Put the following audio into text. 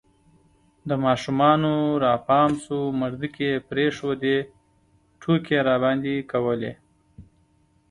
د ماشومانو را پام سو مردکې یې پرېښودې، ټوکې یې راباندې کولې